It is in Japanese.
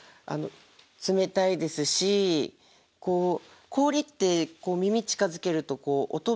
冷たいですし氷って耳近づけるとこう音解ける音がね。